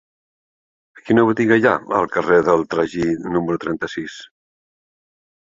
Quina botiga hi ha al carrer del Tragí número trenta-sis?